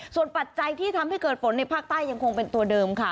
ส่วนปัจจัยที่ทำให้เกิดฝนในภาคใต้ยังคงเป็นตัวเดิมค่ะ